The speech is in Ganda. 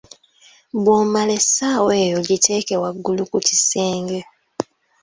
Bw'omala essaawa eyo giteeke waggulu ku kisenge